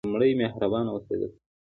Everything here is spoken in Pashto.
لومړی: مهربانه اوسیدل.